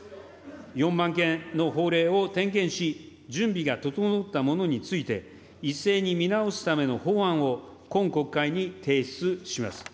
４万件の法令を点検し、準備が整ったものについて、一斉に見直すための法案を、今国会に提出します。